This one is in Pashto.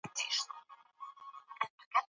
مور د ماشوم د ناروغۍ لومړنۍ نښې ويني.